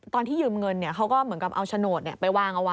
ตอนที่ยืมเงินเขาก็เหมือนกับเอาโฉนดไปวางเอาไว้